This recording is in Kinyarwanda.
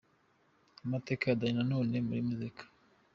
Amateka ya Danny Nanone muri muzika.